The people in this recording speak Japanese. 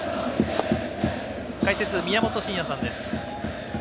解説、宮本慎也さんです。